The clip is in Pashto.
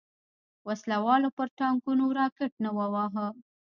وسله والو پر ټانګونو راکټ نه وواهه.